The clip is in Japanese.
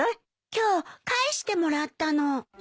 今日返してもらったの。